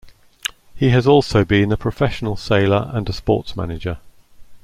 He has also been a professional sailor and a sports manager.